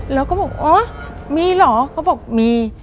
เราก็บอกอ๋อมีเหรอก็บอกมี